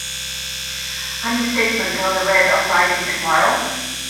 Any statement on the Red uprising tomorrow?